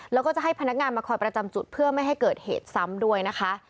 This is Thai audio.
แล้วก็จะให้พนักงานมาคอยประจำจุดเพื่อไม่ให้เกิดเหตุซ้ำด้วยนะคะ